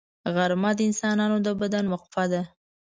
غرمه د انسان د بدن وقفه ده